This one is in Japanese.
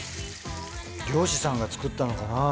漁師さんが作ったのかな？